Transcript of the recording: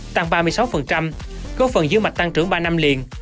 tăng ba mươi sáu có phần dưới mạch tăng trưởng ba năm liền